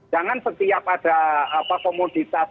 jangan setiap ada komoditas